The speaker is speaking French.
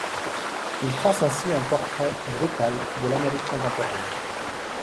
Il trace ainsi un portrait brutal de l'Amérique contemporaine.